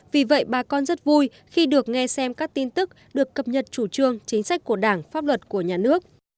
vì vậy bà con rất vui khi được nghe xem các tin tức được cập nhật chủ trương chính sách của đảng pháp luật của nhà nước